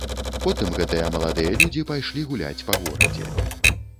Потым гэтыя маладыя людзі пайшлі гуляць па горадзе.